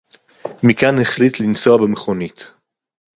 מִכָּאן הֶחֱלִיט לִנְסֹעַ בִּמְכוֹנִית.